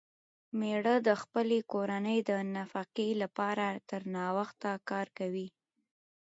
مېړه د خپلې کورنۍ د نفقې لپاره تر ناوخته کار کوي.